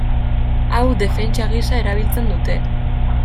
Hau defentsa gisa erabiltzen dute.